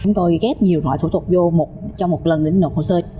chúng tôi ghép nhiều loại thủ tục vô trong một lần để nộp hồ sơ